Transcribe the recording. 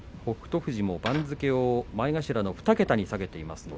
富士も番付を前頭の２桁に下げています。